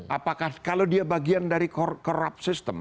apakah kalau dia bagian dari korup sistem